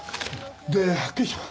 で発見者は？